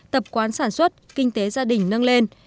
tập quán sản xuất kinh tế gia đình nâng lên